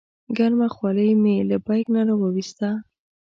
ګرمه خولۍ مې له بیک نه راوویسته.